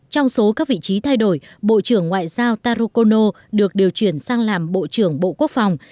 trong số các vị trí thay đổi bộ trưởng ngoại giao taro kono được điều chuyển sang làm bộ trưởng bộ quốc phòng